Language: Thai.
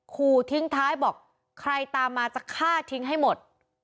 ขู่ทิ้งท้ายบอกใครตามมาจะฆ่าทิ้งให้หมด